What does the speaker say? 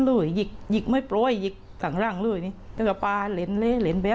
เลยหยิกยิกไม่ปล้อยหยิกทางรักเลยนี่ถึงกับป่าเล้นเล้นเบี้ย